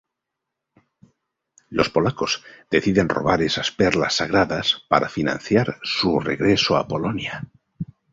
Los polacos deciden robar esas perlas sagradas para financiar su regreso a Polonia.